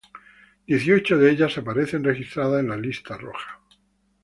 Dieciocho de ellas aparecen registradas en la Lista Roja.